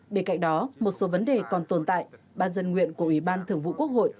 bên cạnh đó một số vấn đề còn tồn tại ban dân nguyện của ủy ban thưởng vụ quốc hội